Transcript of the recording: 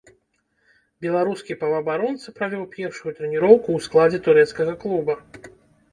Беларускі паўабаронца правёў першую трэніроўку ў складзе турэцкага клуба.